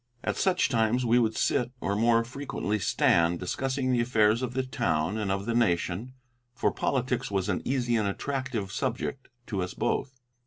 At such times we would sit, or more frequently stand, discussing the affairs of the town and of the nation, for politics was an easy and attractive subject to us both.